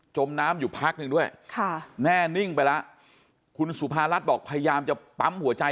มน้ำอยู่พักหนึ่งด้วยค่ะแน่นิ่งไปแล้วคุณสุภารัฐบอกพยายามจะปั๊มหัวใจ